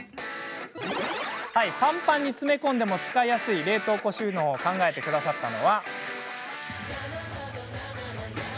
ぱんぱんに詰め込んでも使いやすい冷凍庫収納を考えてくださったのは。